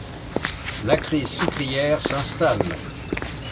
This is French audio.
La crise sucrière s'installe.